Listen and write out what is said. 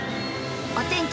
お天気